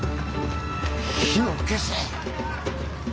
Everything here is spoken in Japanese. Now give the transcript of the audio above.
火を消せ。